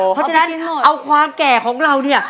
เพราะฉะนั้นเอาความแก่ของเราเนี่ย